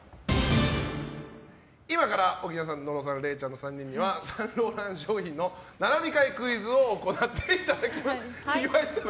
今から奥菜さん、野呂さんれいちゃんの３人にはサンローラン商品の並び替えクイズを行ってもらいます。